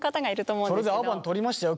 それでアバン撮りましたよ